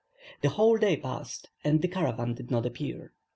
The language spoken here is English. The whole day passed, and the caravan did not appear.